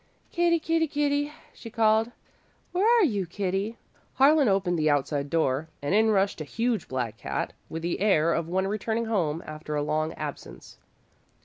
"Kitty, kitty, kitty," she called. "Where are you, kitty?" Harlan opened the outside door, and in rushed a huge black cat, with the air of one returning home after a long absence.